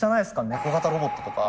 猫型ロボットとか。